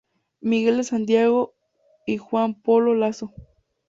Miguel de Santiago y Juan Polo Laso.